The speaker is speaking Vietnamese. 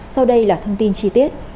sau đây là thông tin chi tiết